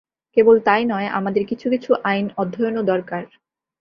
কেবল তাই নয়– আমাদের কিছু কিছু আইন অধ্যয়নও দরকার।